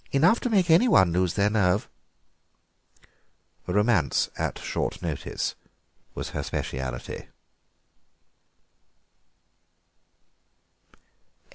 Enough to make anyone lose their nerve." Romance at short notice was her speciality.